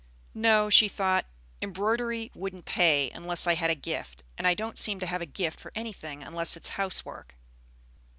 "No," she thought; "embroidery wouldn't pay unless I had a 'gift'; and I don't seem to have a gift for anything unless it is housework.